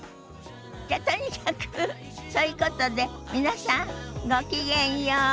じゃとにかくそういうことで皆さんごきげんよう。